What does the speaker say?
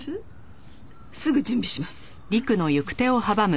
すすぐ準備します。